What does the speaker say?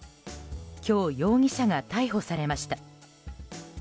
今日、容疑者が逮捕されました。